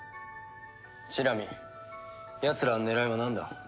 チラミやつらの狙いはなんだ？